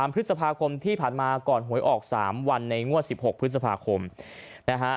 พฤษภาคมที่ผ่านมาก่อนหวยออก๓วันในงวด๑๖พฤษภาคมนะฮะ